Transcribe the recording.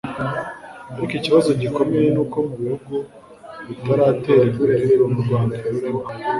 ariko ikibazo gikomeye n'uko mu bihugu bitaratera imbere n'u Rwanda rurimo